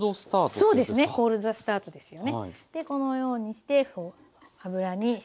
そうですね。